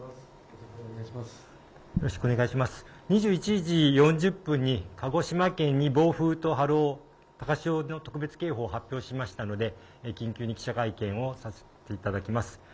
２１時４０分に鹿児島県に暴風と波浪、高潮の特別警報を発表しましたので緊急記者会見をさせていただきます。